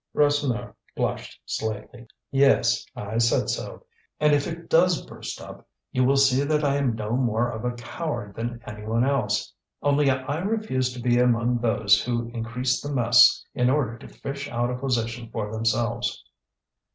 Rasseneur blushed slightly. "Yes, I said so. And if it does burst up, you will see that I am no more of a coward than any one else. Only I refuse to be among those who increase the mess in order to fish out a position for themselves."